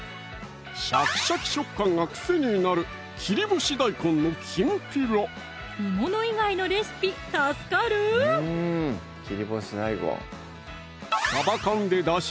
シャキシャキ食感が癖になる煮物以外のレシピ助かるさば缶でだし